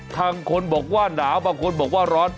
บางคนบอกว่าหนาวบางคนบอกว่าร้อน